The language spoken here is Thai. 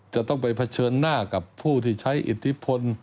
จะต้องไปเผชิญหน้ากับผู้ที่ใช้อิทธิพล